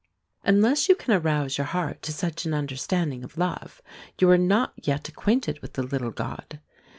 Unless you can arouse your heart to such an understanding of love, you are not yet acquainted with the little god.